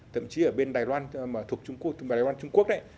thậm chí ở bên đài loan mà thuộc trung quốc đấy